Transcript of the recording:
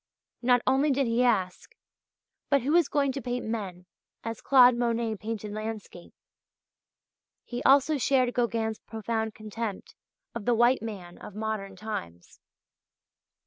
Not only did he ask: "But who is going to paint men as Claude Monet painted landscape?" (page 103); he also shared Gauguin's profound contempt of the white man of modern times.